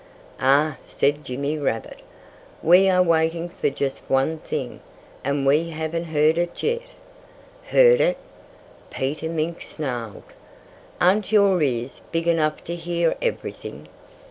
"Ah!" said Jimmy Rabbit. "We are waiting for just one thing. And we haven't heard it yet." "Heard it?" Peter Mink snarled. "Aren't your ears big enough to hear everything?"